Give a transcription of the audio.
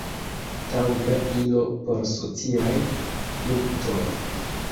taŭga ilo por sociaj luktoj".